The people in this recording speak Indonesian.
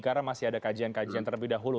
karena masih ada kajian kajian terlebih dahulu